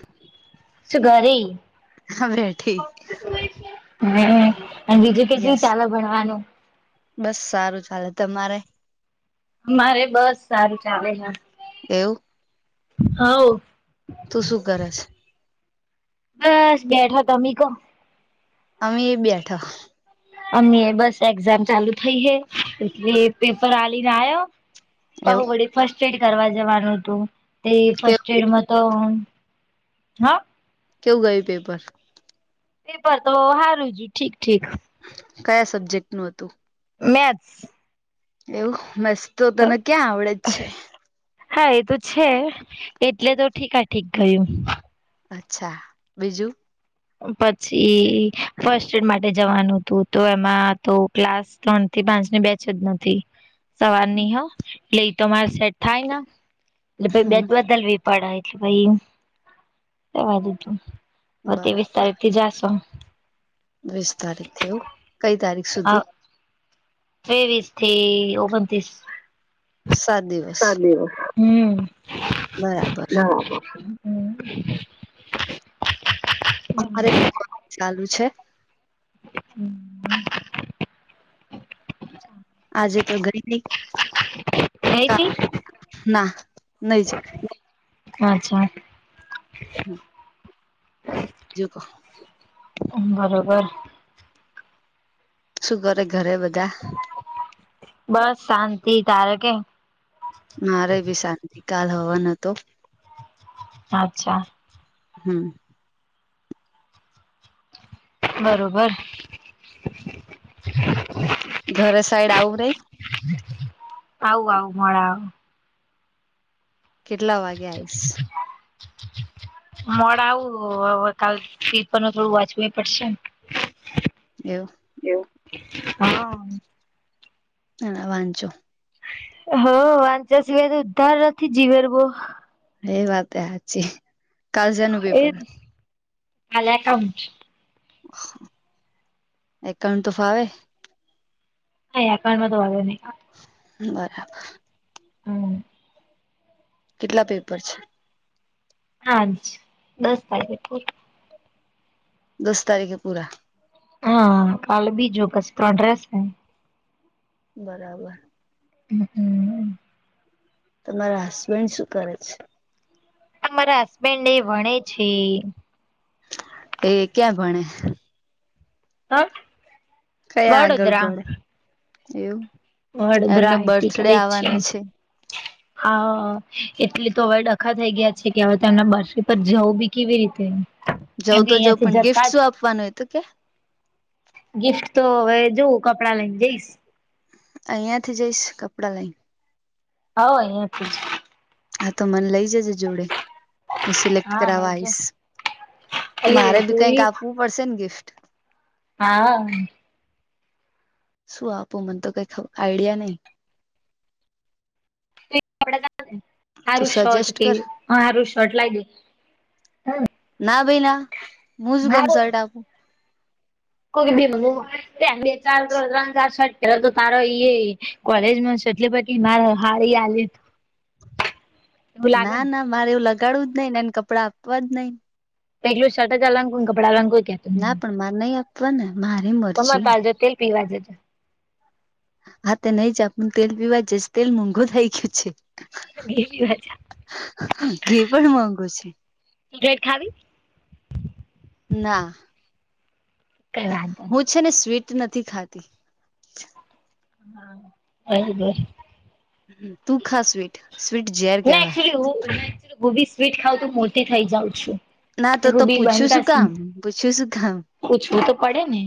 [inaudible] સુ ઘરે, હા બેઠી હમ. અને બીજું કેટલું યસ ચાલે ભણવાનું? બસ સારું ચાલે. તમારે? મારે બસ સારું ચાલે હે. એવું [inaudible] હોવ તું શું કરશ? બસ બેઠો તમેં કો. અમે એ બેઠા. અમ બસ એક્ઝામ ચાલુ થઇ હ, એટલે પેપર આવીલીને આવ્યો. બહુ એવું વડી ફર્સ્ટ એડ કરવા જવાનું હતું, તે કેવું ફસ્ટ એડ માં તો હા? કેવું ગય પેપર? પેપર તો બ હારું છું ઠીક ઠીક. કયા સબ્જેક્ટ નું હતું? મેથસ. એવું મસ્ત તો તને ક્યાં આવડે જ છે? હા એ તો છે એટલે તો ઠીક ઠીક ગયું. અચ્છા બીજું? પછી ફર્સ્ટ એડ માટે જવાનું હતું તો એમાં તો ક્લાસ ત્રણ થી પાંચ ની બેચ જ નથી. સવાર ની હ, એટલે તમારે સેટ થાયને, એટલે બે હમ બલ પડ એટલે ભાઈ કેવા દીધું, હ તેવીસ બરાબર તારીખ થી જાશો. વીસ તારીખ થવું, કઈ તારીખ હ સુધી? ત્રેવીસ થી ઓગણત્રીસ. સાત દિવસ હમ બરાબર ના. હમ [inaudible] અમારે બી ચાલુ છે. હમ [inaudible] આજે તો ગઈ નઈ. થઈથી? ના નઈ જ અચ્છા. હમ [inaudible] જો કહ [unintelligible] બરોબર. શું કરે ઘરે બધા? બસ શાંતિ તારે કે? મારે ભી શાંત કાલ હવાનું તો. અચ્છા. હમ. બરાબર. ઘરે સઈડ આવ પે. હ [inaudible] આવ આવ મોડા આવ. કેટલા વાગે આવીશ [inaudible] મળ આવું હવે કાલ તીરપ ન થોડું વાંચવું પડશે. એવું. એવ હા. હા વાંચો. હ વાંચ સિવાય ઉ્ધાર નથી જીવેર બો. એ વાત હ છેી. એા એકાઉન્ટ. એકણ તો ફાવે. હાયાકાઉમાં તો વાળો નહી. બરાબર. હમ કેટલા પેપર છે? આજ દસ તારીખ. દસ તારીખે પૂરા. હા કાલે બીજું કશ તો રહેશે. બરાબર. હ હમ. તમારા હસબેન્ડ શું કરે છે. મારા હસબેન્ડને વણે છે. એ ક્યાં ભણે હા. કયા આગળ પડે એવું. વડોદરા એમનો આઈતી બર્થડે કરે છે. આવવાનો હા એટલે તો હવે ડખા થઈ ગયા છે કે હવેમને બરફ પર જવું બી કેવી રીતે. જઉ કેમ કે તો જઉં અહિયાંથી પણ જતા ગિફ્ટ જ શું આપવાનું હોય તો કે. ગિફ્ટ તો હવે જોવું કપડાં લઈને જઈશ. અહિયાંથી જઈશ કપડા લઈને. હવ અહિયાંથી જ. હા તો મને લઇ જજે જોડે. હું સિલેક્ટ હા હા કરાવવા જો આવીશ પેલી મારે બી કઈક તુંઈ આપવું પડશે ને ગિફ્ટ. હા. શું આપો મને તો કઈ આઈડિયા નઈ. તું સારું શર્ટ સજેસ્ટ કે કર સારું શર્ટ લાગે. ના બેાઈ ના હું જ કમ શર્ટ આપું. કો બે મ બે ચાર રંગ ચાર શર્ટ પહે તો તારો ઈ. કોલેજમાં છે એટલી પધી મારે હારી આલી. એવું લાગે ને ના ના મારે એવું લગાડવું જ નઈ નેને કપડાં આપવા જ નઈ. પેટલું શર્ટ જ અાંગું કપડા અલંકું કે. ના પણ મારે નઈ આપવા ને મારી તોમાં મરજી. તારજો તેલ પીવા જેજો. હા તે નહી જ આપું તેલ પીવા જઈશ તેલ મોંઘું થઇ ગયું છે. ઘી પણ મોંઘુ છે ડ ખાવી. ના. કઈ વાંધો હું છે ને સ્વીટ નથી ખાતી. હા હ. હ તું ખા સ્વીટ. સ્વીટ જેે. ના હું ગબી સ્વીટ ખાવ તોું મો થઈ જાઉં છું. ના તો તો હું બી પૂછ્યું બનતા શું છું કામ પૂછ્યું શું કામ પૂછવું તો પડે ને.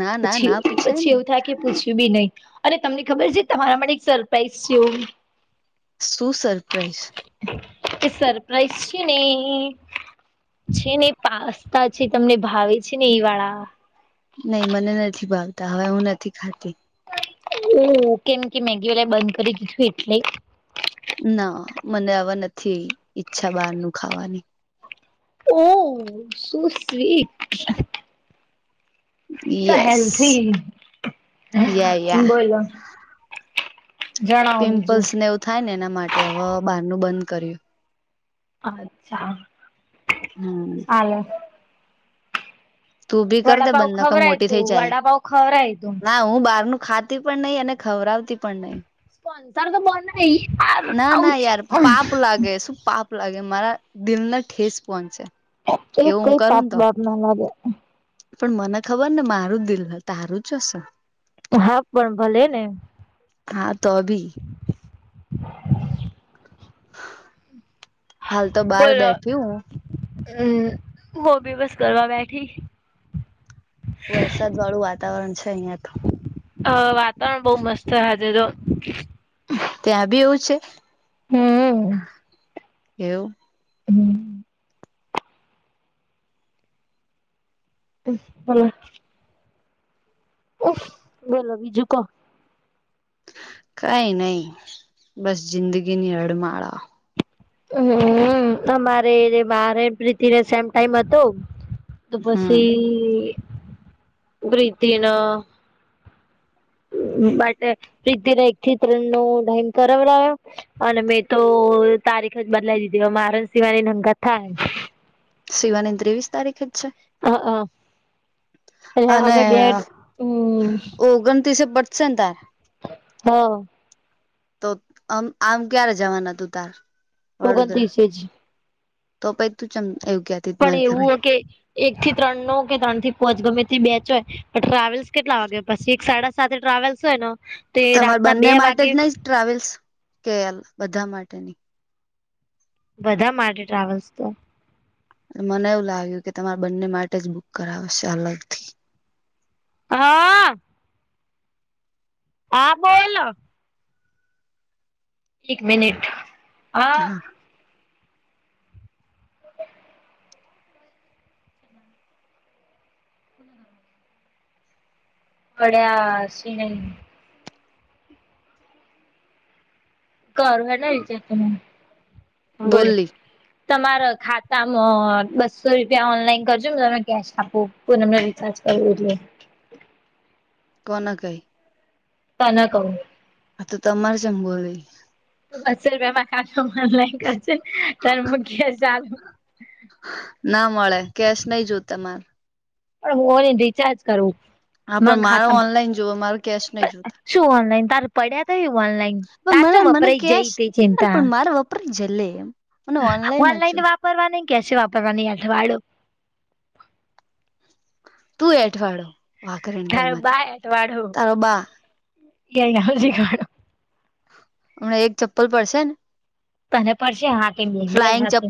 ના ના પછી ના પૂછાય પછી ને એવું થાય કે પૂછ્યું બી નહીિ. અરે તમને ખબર છે તમારા માટે એક સરપ્રાાઈઝ છે. શું સરપ્રાાઈઝ. એ સરપ્રાઈઝ છે નહી. છે ને એ પાસ્તા છે તમને ભાવે છે ને એ વાળા. નહી મને નથી ભાવતા હવે હું નથી ખાતી. [unintelligible] ઓ કેમ કે મેગી વાલા બંધ કરી દીધું એટલે ના મને આવા નથી ઈચ્છા બહાર નુ ખાવાની ઓહ સુું sweet yes healthy yeah yeah બોલો. જણાવો બીજું પિમ્પલ્સ ને એવું થાય ને એના માટે હવે બહારનુંું બંધ કર્યું. અચ્છા. હા [unintelligible] હાલે. તું ભી કરી દે વડાપાવ બંને ક ખવરાય મોટી તું થઈ જાય વડાપાવ ખવરાય તું [inaudible] ના. હું બહાર ન ખાતી પણ નહી અને ખવરાવતી પણ નહી. અત્યારે તો બંધ ના ના નહીં યાર [inaudible] પાપ લાગે આવુચ શું પાપ લાગે મારા દિલ ના ઠેસ પહોંચે એવું હું કઈ કરું પાપ ને તો બાપ ના લાગે પણ મને ખબર ને મારું દિલ તારું જ છેશે હા પણ ભલે ને હા તો બી હાલ તો બહાર બોલો બેઠી હું હમ હોબી બસ કરવા બેઠી વરસાદ વાળું વાતાવરણ છે અહિયાં તો અ વાતાવરણ બહુ મસ્ત છે આજે તો ત્યાં બી એવું છે? હમ એવ હમ [unintelligible] ઉફ બોલો બીજું કો કઈ નઈ બસ જિંદગીની હડમાળા. હ અમારે ને મારે પ્રીતિ સેમ ટાઈમ હતો તો હમ પસી પ્રીતિ ના માટે પ્રીતિને એક થી ત્રણ નો ટાઈમ કરાવડાવ્યો અને મેં તો તારીખ જ બદલાઈ દીધી મારે ન સિવાની સંગાથ થાય શિવાની ત્રેવીસ તારીખે જ છે. હ હ અને અમે બે હમ ઓગણત્રીસે પટશે ને તારે હા તો આમ આમ ક્યારે જવાના તું તાર વડોદરા ઓગણત્રીસે જ તો પછ તું ચેમ એવું કેતી પણ મારે એવું ખરા હો કે એક થી ત્રણ નો કે ત્રણ થી પોંચ ગમેથી બેચ હોય પણ ટ્રાવેલ્સ કેટલા વાગે પછી એક સાડા સાતે ટ્રાવેલ્સ હોય ને તે તમારે રાતના બંને બે માટે જ વાગે નહી ટ્રાવેલ્સ કે બધા માટેની બધા માટે ટ્રાવેલ્સ તો મને એવું લાગ્યું કે તમારે બંને માટે જ બુક કરાવશે અલગથી હા હા બોલો એક મિનિટ હ હા પડ્યા [unintelligible] [unintelligible] હા બોલો બોલી તમારા ખાતામાં બસો રૂપિયા ઓનલાઈન કરજો ને તમે કેશ આપો એમને રિચાર્જ કરવું જોઈએ કોને કહી? તના કવુ. આ તો તમારે ચેમ બોલે [unintelligible] ના મળે કેશ નહી જોતા મારે પણ હો નહી રિચાર્જ કરવું હા પણ મારા મારો ઓનલાઈન જોવ મારો કેશ નહી જોતા. ખાતામાં શું ઓનલાઈન તાર પડ્યા તો એ ઓનલાઈન પણ તાર તો મને મને વપરાઈ જઈ કેશ તે ચિંતા. પણ [unintelligible] જ જો ઓનલાઈન વાપરવા ન કે છે વાપરવા ન આઠવાડો. તું એઠવાડો વાકરે તારે તેમાંથી બાય અઠવાડો તારો બા. [unintelligible] હમણાં એક ચપ્પલ પડશે ને તને પડશે હાટી મે જ હથે.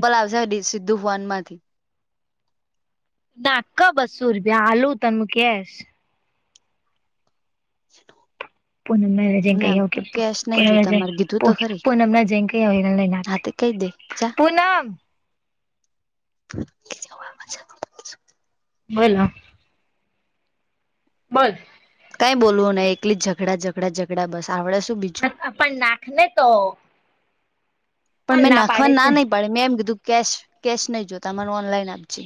સિદ્ધુ વાવાન [unintelligible] માંથી નાક બસ્સો રૂપિયા આલુ તને કેશ. [unintelligible] પ નમ જેંકકે ના કેશ નહી જોતા મારે કીધું તો ખરી પનમણા જેંકયાય ના હા કઈ દે જા. પૂનમ [unintelligible] બોલો બોલ. કાઈ બોવ નય એકલી ઝડા ઝઘડા ઝઘડા બસડે શું બીજું. પણ નાખ ને તો. પણ કોણ મેં નાખવા પાડે ના છે નહી પાડે મેં એમ કીધું કે કેશ નહી જોતામારે ઓનલાઈન આપજે.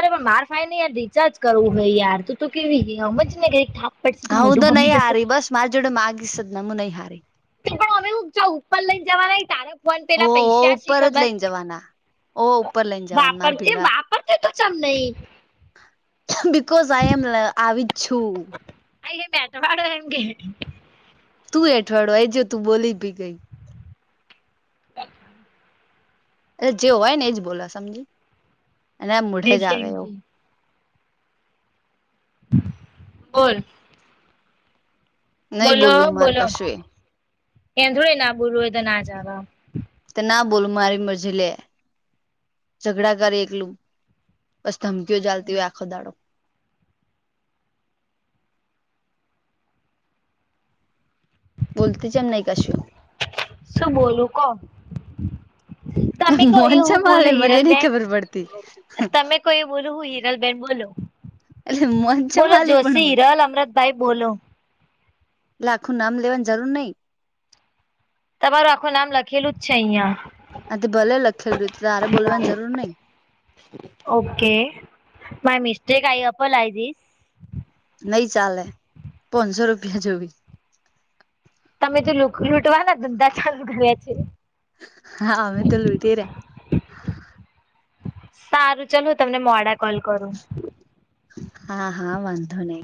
અરે પણ માર ફાઈ ને યાર રિચાર્જ કરવું હોય યાર તો કેવીમજ ને ક હા હું તો નહી હારી બસ મારી જોડે માંગીશ જ નહીં મેં નહિ હારી. પણ હમે હ ઉપર લઈને જવાના તારા ફોન પેલા પૈસા છે ખબર. ઓહ ઉપર લઈને જવાન માર ભીડા. પણ તે તો ચમ નહી. બકોઝ આ એમ આવી જ છું. આ બેટવાડો એમ કે. તું એઠવાડ એ જો તું બોલી ભી ગઈ. એ જે હોય ને એજ બોલા સમજી અને આ મોઢે જ આવે એવું. બોલ નહી બોલો બોલવું મારે બોલો કશું એ એ થોડે ના બોલું હોય તો ના જવા. તે ના બોલ મારી મરજી લે ઝઘડા કરે એકલું. બસ ધમકીઓ ચાલતી હોય આખો દાડો. બોલતી કેમ નહીં કશું. શું બોલું કો. તમે તો મોન એ હું ચેમ હાલે બોલું મને હિરલ એ નઈ બેેન ખબર પડતી તમે. કોઈ બોલ હું હિરલ બેેન બોલો એટલે મોન ચેમ બોલો હાલી પણ જોશી મને હિરલ અમ. ભાઈ બોલો આખું નામ લેવાની જરૂર નઈ. તમારું આખું નામ લખેલું જ છે અહિયાં. આથી ભલે લખેલું તો તારે બોલવાની જરૂર નઈ. Okay my mistake I up I જિસ. નઈ ચાલે પોનસો રૂપિયા જોવી. તમે તો લૂંટવાના ધંધા ચાલુ કરીયા‌ છે. હા અમે તો લૂટી રહ્યા સારું ચાલ હું તમને મોડા કોલ કરું. હા હા વાંધો નહિ.